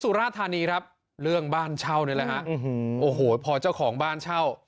สุราธานีครับเรื่องบ้านเช่านี่แหละฮะโอ้โหพอเจ้าของบ้านเช่า